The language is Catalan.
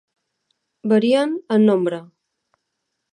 Varien en nombre.